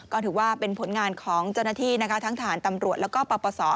ก็ถือว่าเป็นผลงานของเจ้าหน้าที่นะคะทั้งทหารตำรวจแล้วก็ปปศ